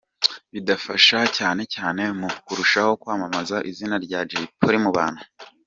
Bizadufasha cyane cyane mu kurushaho kwamamaza izina rya Jay Polly mu bantu”.